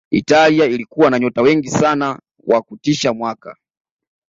italia ilikuwa na nyota wengi sana wa kutisha mwaka